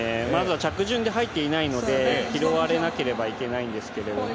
着順で入っていないので拾われなければいけないんですけど。